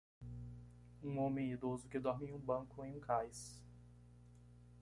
Um homem idoso que dorme em um banco em um cais.